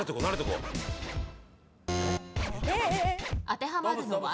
当てはまるのは？